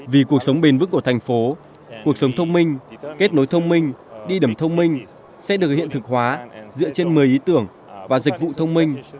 vì cuộc sống bền vững của thành phố cuộc sống thông minh kết nối thông minh đi đầm thông minh sẽ được hiện thực hóa dựa trên một mươi ý tưởng và dịch vụ thông minh